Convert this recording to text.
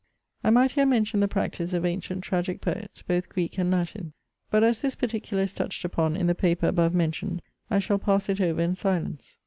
'I might here mention the practice of antient tragic poets, both Greek and Latin; but as this particular is touched upon in the paper above mentioned, I shall pass it over in silence.